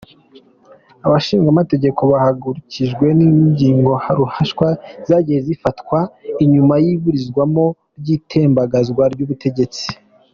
Abashingamateka bahagurukijwe n’ingingo ruhasha zagiye zirafatwa inyuma y’iburizwamwo ry’itembagazwa ry’ubutegetsi.